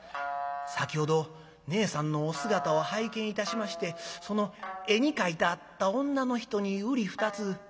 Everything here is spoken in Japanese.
先ほどねえさんのお姿を拝見いたしましてその絵に描いてあった女の人にうり二つ。